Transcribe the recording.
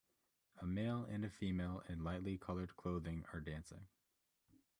A male and a female in lightly colored clothing are dancing.